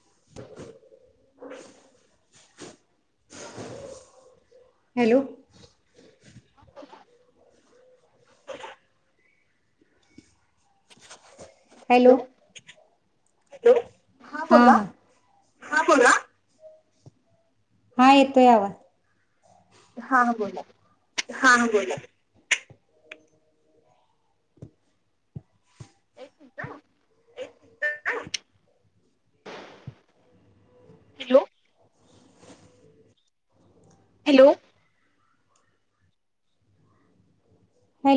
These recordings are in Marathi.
[unintelligible] हॅलो हॅलो हल हां हा बोला हा ह बोला हा येतो आवाज हां बोला हा बोला एक मिनिट हा हॅलो हॅलो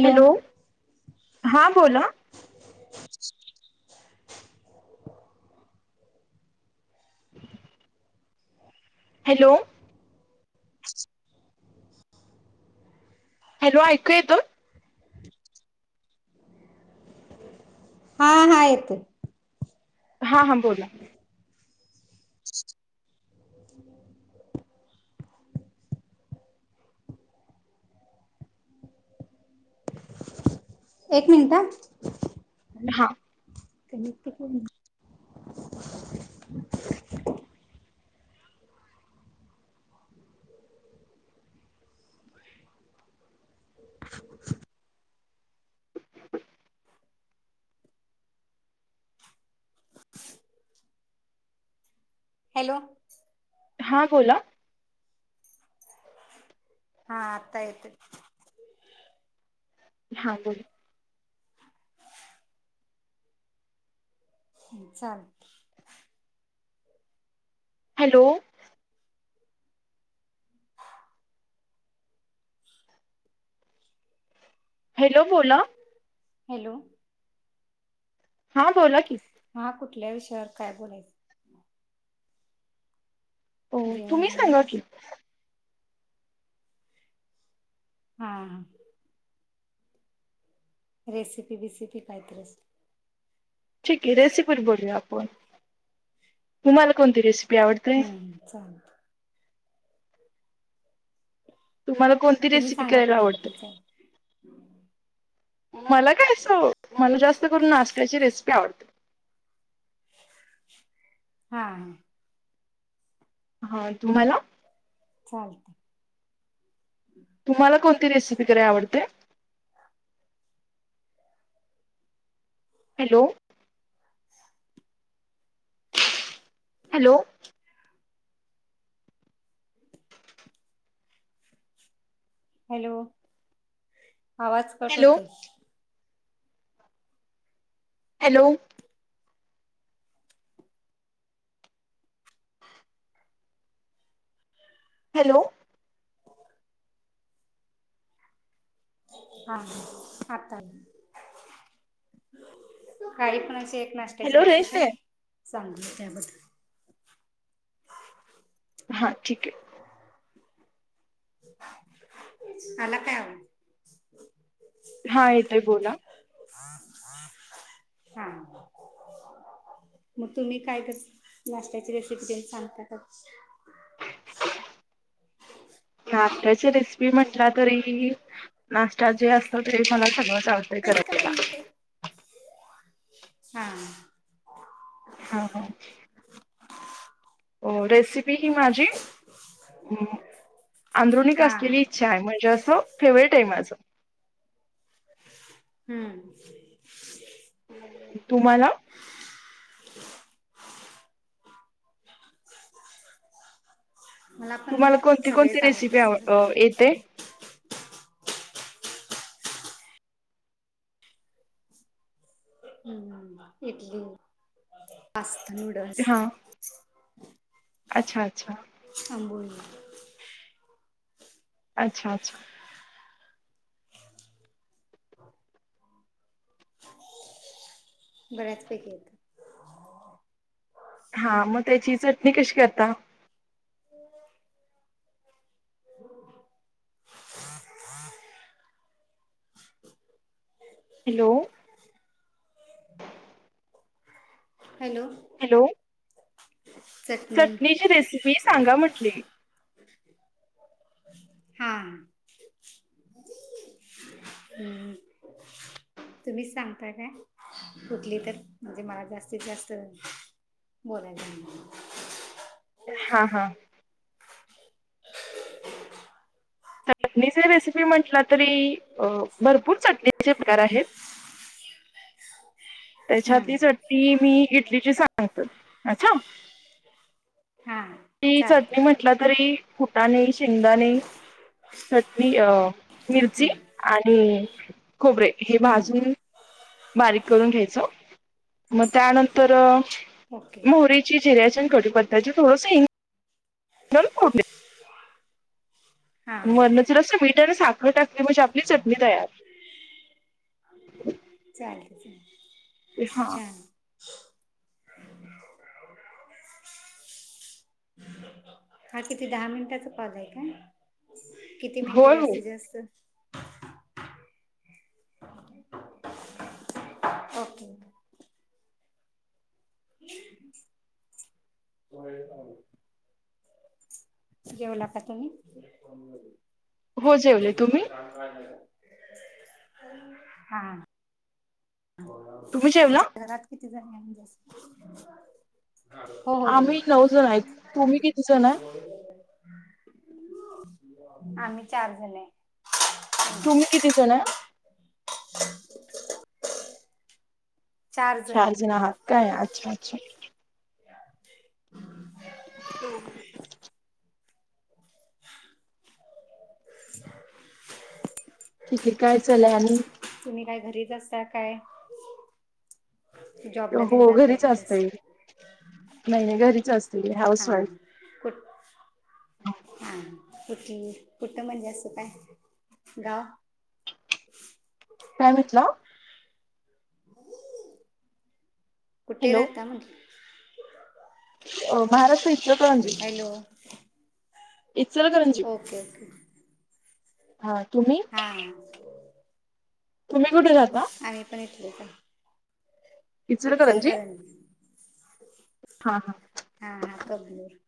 हॅलो हां बोला [unintelligible] हॅलो हॅलो ऐकूया येतो ह हा येत हां हां बोला एक मिनिट हां हॅलो हां बोला हा आतायत हां बोोल चाल हॅलो हॅलो बोला हॅलो हा बोला की हा कुठल्या विषयावर काय बोलायचं हो जेवण तुम्ही झालं सांगा की हां ह रेसिपी बिसिपी काहीतरीच ठीक आहे रेसिपीवर बोलूया आपण तुम्हाला कोणती रेसिपी आवडते हम्म चाल तुम्हाला कोणती तुम्ही रेसिपी सांगा करायला कुठली आवडते पण चाल मला काय स मला जास्त करून नाश्त्याची रेसिपी आवडते हा हा तुम्हाला चालत तुम्हाला कोणती रेसिपी कैय आवते हॅलो हॅलो हॅलो आवाज कट हॅलो होतस हॅलो हॅलो हा आता काही पण अस नाश्याची हॅलो रेश रेसिपी आहे सांगली त्याबद्दल हा ठीक आहे आला काय हा येतय बोला हा ह हा मग तुम्ही काय कस नाशत्याची रेसिपी सांगता [unintelligible] नाटची रेसिपी म्हटला तरी नाश्ता जे असतो ते मला सगळंच आवडतंय करायला हा हा हा रेसिपी ही माझी आंदरिक हा असलेली इचछा छय म्हणजे अस फेवरेट आहे माझं हम्म तुम्हाला [unintelligible] [unintelligible] मला पण तुम्हाला कोणती सगळेच कोणती आवडतात रेसिपी आव सग अ येते हम्मली पास्तन हा अच्छा अच्छा आब अच्छा अच्छा [unintelligible] बऱ्याचपैकी येत हा मग त्याची चटणी कशी करता हा हा हॅलो हॅलो हॅलो चटणी चटणीची रेसिपी सांगा म्हटली अच्छे हा हम्म तुम्हीच सांगता कायं कुठली तर म्हणजे मला जास्तीत जास्त बोलायला हां हां चटणीचे रेसिपी म्हटलं तरी भरपूर चटणीचे प्रकारा आहेत. त्याच्यात हम्म ली चटणी मी इडलीची सांगतो अच्छा. हा हा ती चटणी म्हटला तरी फुटाने. शेंगदाणे, चटणी अ मिर्ची हम्म आणि खोबरे हे हम्म भाजून बारीक करून घ्यायचं. मग त्यानंतर ओके मोहरीची, जिऱ्याची आणि कढीपत्त्याची थोडस फोडणी द्यायची. हा वर्ण जरासं मीठ आणि साखर टाकली म्हणजे आपली चटणी तयार. हा अच्छा. हा किती दहा मिनिटाचां कॉल आहे का किती मिनटे होय हो. जास्तीत जास्त ओके [unintelligible] जेवला तुम्ही. हो जेवले. तुम्ही? हा तुम्ही जेवला? तुमच्या घरात किती जण आहेत. हो हो आम्ही नऊ जण आहेत. तुम्ही किती जण आहे? आम्ही चार जण हाय. तुम्ही किती जण हाय हम् चार जन आहात काय अच्छा अच्छा [unintelligible] [unintelligible] [unintelligible] ठीक आहे काय चालय आणि तुम्ही काय घरीच असताय काय जॉबला तेन हो जातय घरीच कुठ असते असं नाही नाही घरीच असतोयं हां कुठ हा कुठ कुठ म्हणजे असं काय गाव काय म्हटला. कुठे हॅलो राहता म्हटलं. अ Maharashtra Ichalkaranji hello Ichalkaranji okay okay हा तुम्ही हा हा तुम्ही कुठे राहता. मी पण इथलीच आहे. इचलकरंजी. हा हा हा हा कबनूर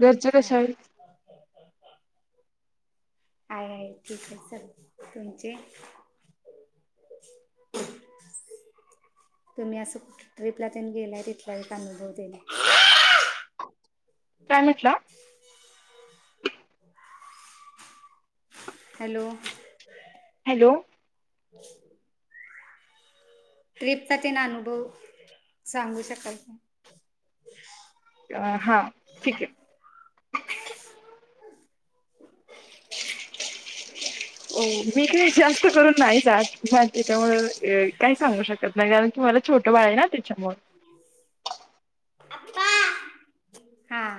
घरचे कशे हां आहेत. आहे आहे ठीक आहे सग तुमचे [unintelligible] तुम्ही असं कुठ ट्रिपला त्यां गेलाय तिथला एक अनुभव सांगा. काय म्हटला. हॅलो हॅलो हो ट्रिपचा त्यांना अनुभव सांगू शकाल का हां ठीक आहे हो मीही जास्त करून नाही जात त्यामुळे काही सांगू शकत नाही कारण की मला छोट बा आहे ना त्याच्यामुळे हा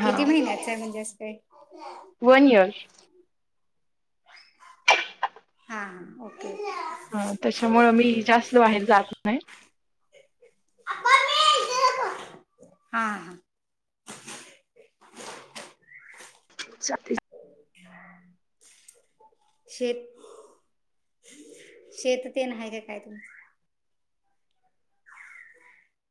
हा किती महिन्याच आहे म्हणजे असतय वन इयर हां हां ओके ह त्याच्यामुंळ मी जास्त बाहेर जात नाही हा हा अच्छ शेत शेत तेन आहे का काय तुम्